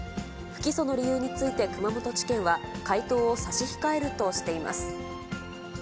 不起訴の理由について、熊本地検は、回答を差し控えるとしています。